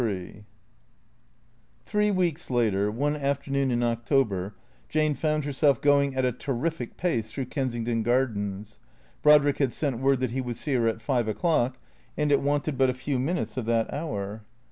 XXXIII THEEE weeks later, one afternoon in October, Jane found herself going at a terrific pace through Kensington Gar dens. Brodrick had sent word that he would see her at five o'clock, and it wanted but a few minutes of that hour.